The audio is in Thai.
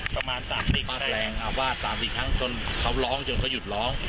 ประมาณสามสิบมากแรงอ่าววาดสามสิบครั้งจนเขาร้องจนเขาหยุดร้อง